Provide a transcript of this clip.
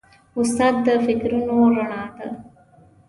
استاد د فکرونو رڼا ده.